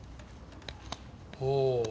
ほう。